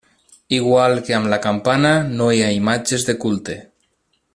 Igual que amb la campana, no hi ha imatges de culte.